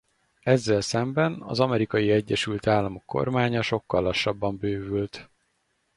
Ezzel szemben az Amerikai Egyesült Államok kormánya sokkal lassabban bővült.